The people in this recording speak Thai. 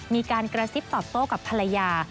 มีการกระซิบตอบโต้กับภรรยา